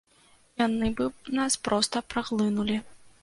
Яны бы нас проста праглынулі.